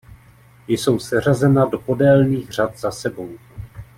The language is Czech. Jsou seřazena do podélných řad za sebou.